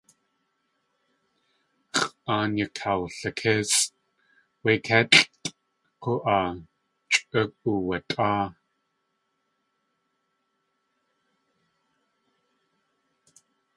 X̲ʼaan yakawlikísʼ. Wé kélʼtʼ k̲u.aa, chʼu uwatʼáa.